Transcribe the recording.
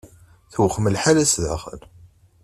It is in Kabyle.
Tewxem lḥala sdaxel.